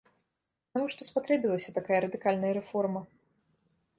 Навошта спатрэбілася такая радыкальная рэформа?